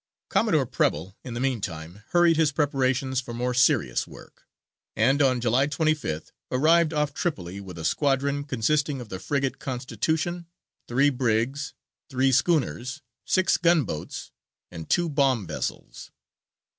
Commodore Preble, in the meantime, hurried his preparations for more serious work, and on July 25th arrived off Tripoli with a squadron, consisting of the frigate Constitution, three brigs, three schooners, six gun boats, and two bomb vessels.